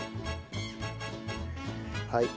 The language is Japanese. はい。